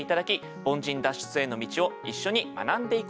凡人脱出への道を一緒に学んでいこうという試みです。